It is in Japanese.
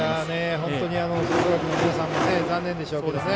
本当に吹奏楽の皆さんも残念でしょうけどね。